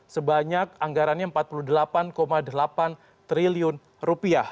sebanyak anggarannya empat puluh delapan delapan triliun rupiah